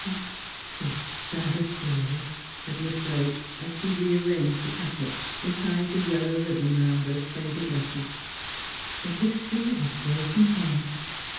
'It is too sad a story,' said Miss Blake, as she re arranged the packet and tied the yellow ribbon round those faded letters ■—' the history of a broken heart.'